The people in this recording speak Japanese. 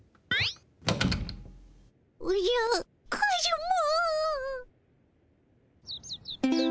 おじゃカズマ。